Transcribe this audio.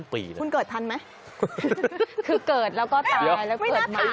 คือเกิดแล้วก็ตายแล้วก็เปิดมาก